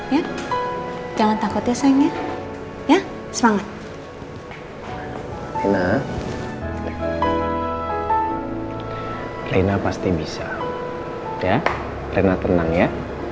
ya jangan takut ya sayang ya